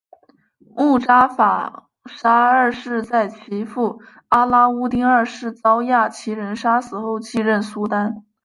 慕扎法沙二世在其父阿拉乌丁二世遭亚齐人杀死后继任苏丹。